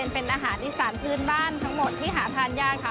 เป็นอาหารอีสานพื้นบ้านทั้งหมดที่หาทานยากค่ะ